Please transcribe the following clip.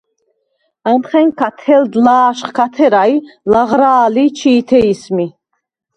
ამხენქა თელდ ლა̄შხ ქა თერა ი ლაღრა̄ლი̄ ჩი̄თე ისმი.